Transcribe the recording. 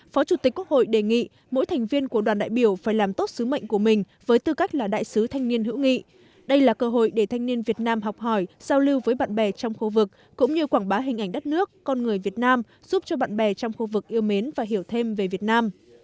phó chủ tịch quốc hội đề nghị mỗi thành viên của đoàn đại biểu phải làm tốt sứ mệnh của mình với tư cách là đại sứ thanh niên hữu nghị đây là cơ hội để thanh niên việt nam học hỏi giao lưu với bạn bè trong khu vực cũng như quảng bá hình ảnh đất nước con người việt nam giúp cho bạn bè trong khu vực yêu mến và hiểu thêm về việt nam